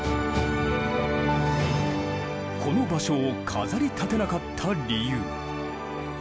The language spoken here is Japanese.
この場所を飾りたてなかった理由。